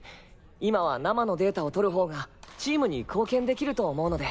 今は生のデータを取る方がチームに貢献できると思うので。